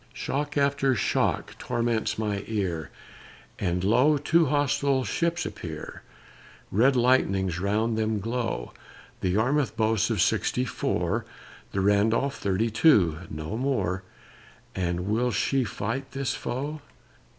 Shock after shock torments my ear; And lo! two hostile ships appear, Red lightnings round them glow: The Yarmouth boasts of sixty four, The Randolph thirty two no more And will she fight this foe!